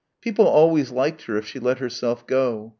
People always liked her if she let herself go.